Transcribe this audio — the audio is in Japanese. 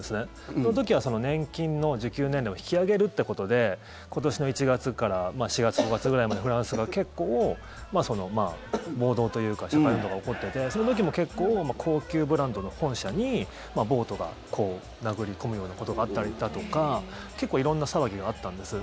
その時は、年金の受給年齢を引き上げるってことで今年の１月から４月、５月ぐらいまでフランスが結構、暴動というか社会運動が起こっててその時も結構高級ブランドの本社に暴徒が殴り込むようなことがあったりだとか結構、色んな騒ぎがあったんです。